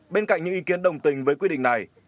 bên cạnh những ý kiến đồng tình với quy định này